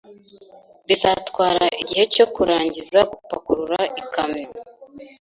Bizatwara igihe cyo kurangiza gupakurura ikamyo